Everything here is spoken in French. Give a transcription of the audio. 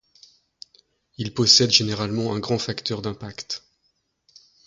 Ils possèdent généralement un grand facteur d'impact.